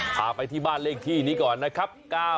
พาไปที่บ้านเลขที่นี้ก่อนนะครับ